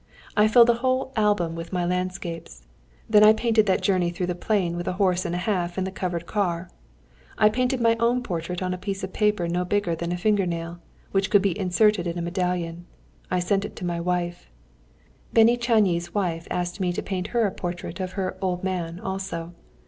I filled a whole album with my landscapes. Then I painted that journey through the plain with a horse and a half in the covered car. I painted my own portrait on a piece of paper no bigger than a finger nail, which could be inserted in a medallion. I sent it to my wife. Béni Csányi's wife asked me to paint her a portrait of her "old man" also.